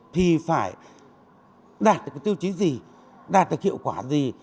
thì phải đạt được cái tiêu chí gì đạt được hiệu quả gì